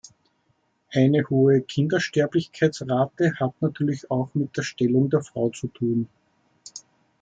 Eine hohe Kindersterblichkeitsrate hat natürlich auch mit der Stellung der Frauen zu tun.